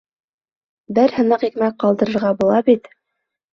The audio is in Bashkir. Бер һыныҡ икмәк ҡалдырырға була бит.